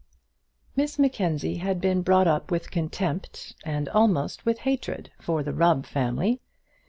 Miss Mackenzie had been brought up with contempt and almost with hatred for the Rubb family.